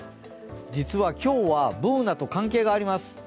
実は今日はＢｏｏｎａと関係があります。